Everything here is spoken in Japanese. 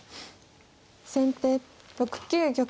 先手６九玉。